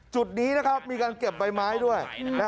จุดนี้นะครับมีการเก็บใบไม้ด้วย